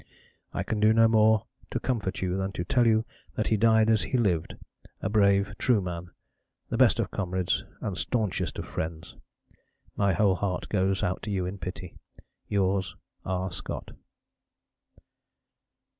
I can do no more to comfort you than to tell you that he died as he lived, a brave, true man the best of comrades and staunchest of friends. My whole heart goes out to you in pity. Yours, R. SCOTT.